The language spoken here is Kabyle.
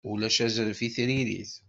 Ulac azref i tririt.